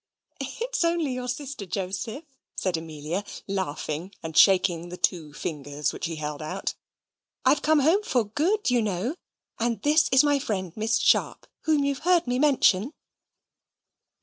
"It's only your sister, Joseph," said Amelia, laughing and shaking the two fingers which he held out. "I've come home FOR GOOD, you know; and this is my friend, Miss Sharp, whom you have heard me mention."